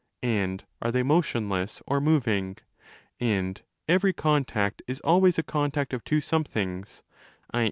And are they motionless or moving? And every contact is always a contact of two somethings, i.